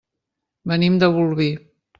Venim de Bolvir.